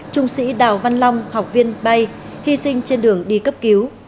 trung sĩ đào văn long học viên bay hy sinh trên đường đi cấp cứu